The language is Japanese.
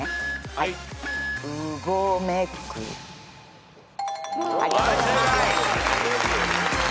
はい正解。